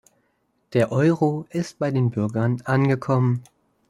Der Euro ist bei den Bürgern angekommen.